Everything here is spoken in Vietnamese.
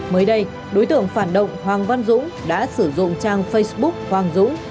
mới đây đối tượng phản động hoàng văn dũng đã sử dụng trang facebook hoàng dũng